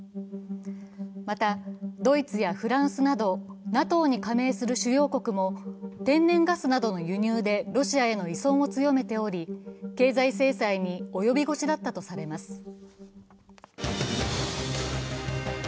また、ドイツやフランスなどＮＡＴＯに加盟する主要国も天然ガスなどの輸入でロシアへの依存を強めており、経済制裁に及び腰だったとされます。